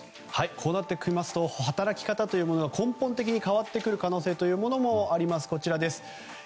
こうなってきますと働き方というものが根本的に変わってくる可能性もあります。